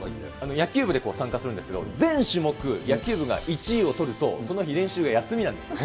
野球部で参加するんですけど、全種目野球部が１位を取ると、その日練習が休みなんです。